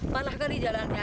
parahkan di jalannya